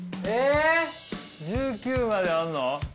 １９まであんの？